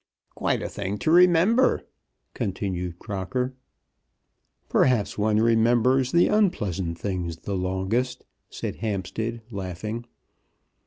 "Quite a thing to remember," continued Crocker. "Perhaps one remembers the unpleasant things the longest," said Hampstead, laughing.